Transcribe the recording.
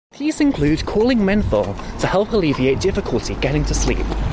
These include cooling menthol to help alleviate difficulty getting to sleep.